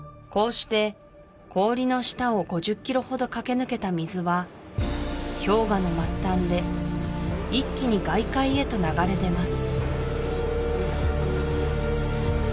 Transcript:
して氷の下を５０キロほど駆け抜けた水は氷河の末端で一気に外海へと流れ出ます